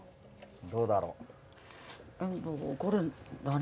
どうだろう？